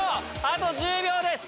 あと１０秒です！